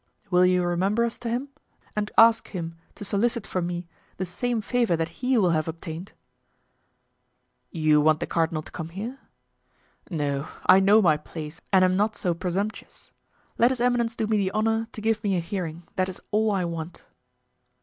"Will you remember us to him and ask him to solicit for me the same favor that he will have obtained?" "You want the cardinal to come here?" "No; I know my place and am not so presumptuous. Let his eminence do me the honor to give me a hearing; that is all I want."